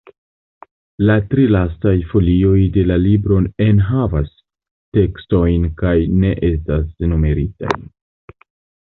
La tri lastaj folioj de la libro enhavas tekstojn kaj ne estas numeritaj.